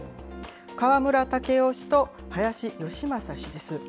河村建夫氏と林芳正氏です。